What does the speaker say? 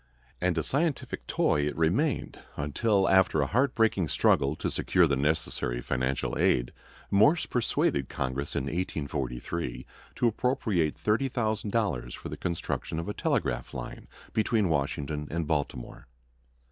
And a scientific toy it remained until, after a heartbreaking struggle to secure the necessary financial aid, Morse persuaded Congress in 1843 to appropriate $30,000 for the construction of a telegraph line between Washington and Baltimore.